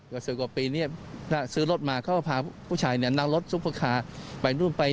กว่าปีนี้ซื้อรถมาก็พาผู้ชายเนี่ยนังรถซุปเตอร์คาร์ไป